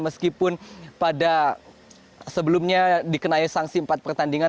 meskipun pada sebelumnya dikenai sanksi empat pertandingan